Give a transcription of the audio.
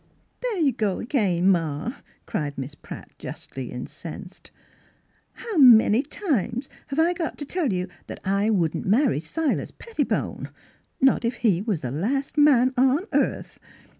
" There you go again, ma," cried Miss Pratt, justly incensed. " How many times have I got to tell you that I wouldn't marry Silas Pettibone, not if he was the last man on earth.